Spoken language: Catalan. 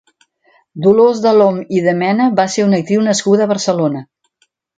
Dolors Delhom i de Mena va ser una actriu nascuda a Barcelona.